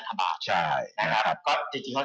ภันฑบาจรัฐบาตนี่แหละก็คือมะคือเจ้านี่รัฐบาต